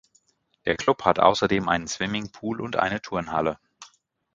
Der Club hat außerdem einen Swimmingpool und eine Turnhalle.